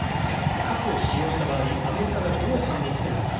核を使用した場合アメリカがどう反撃するのか。